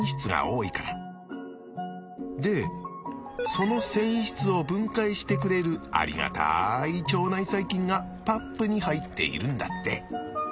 その繊維質を分解してくれるありがたい腸内細菌がパップに入っているんだって。